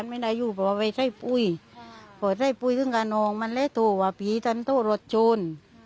ไม่ได้มีการหอบลูกหนีแฟนแล้วก็ไปถูกรถชน